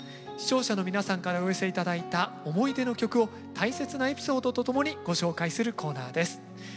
視聴者の皆さんからお寄せ頂いた思い出の曲を大切なエピソードとともにご紹介するコーナーです。